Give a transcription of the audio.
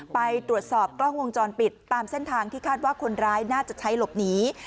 ไปตรวจสอบกล้องวงจรปิดตามเส้นทางที่คาดว่าคนร้ายน่าจะใช้หลบหนี